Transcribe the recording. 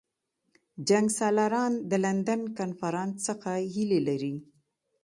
جنګسالاران د لندن کنفرانس څخه هیلې لري.